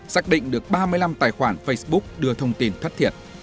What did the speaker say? xác định được ba mươi năm tài khoản facebook đưa thông tin thất thiệt